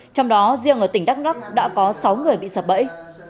trong đó riêng ở tỉnh đắk lắc đã có sáu người bị sập bẫy